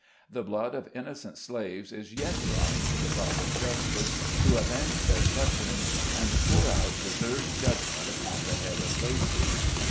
The blood of innocent slaves is yet crying to the God of justice to avenge their sufferings, and pour out deserved judgment upon the head of Lacy.